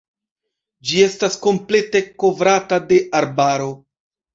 Ĝi estas komplete kovrata de arbaro.